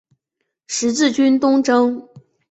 十字军东征。